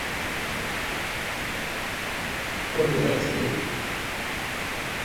Valerius therefore ordered a cavalry charge in an attempt to break the Samnite lines.